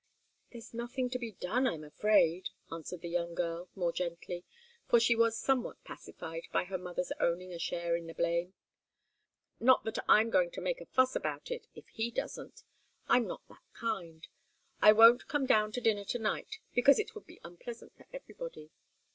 "There's nothing to be done, I'm afraid," answered the young girl, more gently, for she was somewhat pacified by her mother's owning a share in the blame. "Not that I'm going to make a fuss about it, if he doesn't. I'm not that kind. I won't come down to dinner to night, because it would be unpleasant for everybody.